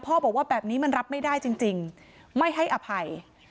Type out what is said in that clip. บอกว่าแบบนี้มันรับไม่ได้จริงไม่ให้อภัย